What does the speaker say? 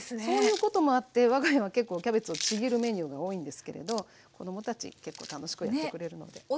そういうこともあって我が家は結構キャベツをちぎるメニューが多いんですけれど子どもたち結構楽しくやってくれるので。